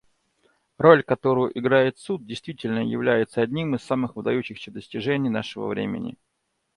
Роль, которую играет Суд, действительно является одним из самых выдающихся достижений нашего времени.